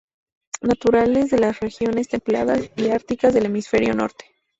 Naturales de las regiones templadas y árticas del hemisferio norte.